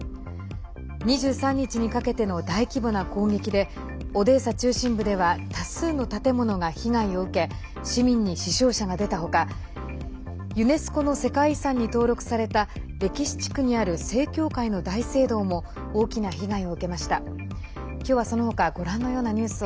２３日にかけての大規模な攻撃でオデーサ中心部では多数の建物が被害を受け市民に死傷者が出た他ユネスコの世界遺産に登録された歴史地区にある正教会の大聖堂も大きな被害を受けました。